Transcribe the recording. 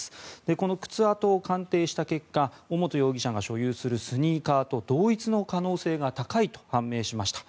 この靴跡を鑑定した結果尾本容疑者が所有するスニーカーと同一の可能性が高いと判明しました。